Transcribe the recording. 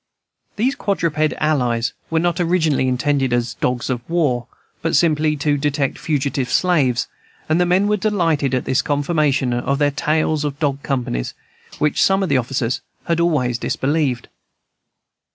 These quadruped allies were not originally intended as "dogs of war," but simply to detect fugitive slaves, and the men were delighted at this confirmation of their tales of dog companies, which some of the officers had always disbelieved.